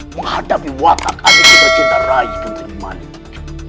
menghadapi watak adikku tercinta rai kentri manip